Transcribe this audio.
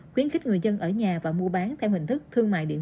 khuyến khích người dân ở nhà và mua bán theo hình thức thương mại điện tử